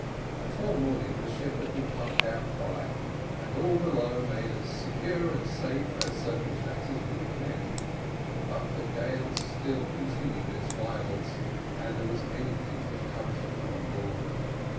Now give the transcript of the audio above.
Before morning, the ship had been pumped out dry, and all below made as secure and safe as circumstances would permit; but the gale still continued its violence, and there was anything but comfort on board.